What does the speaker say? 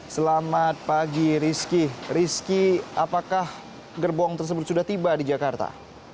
selamat pagi rizky rizky apakah gerbong tersebut sudah tiba di jakarta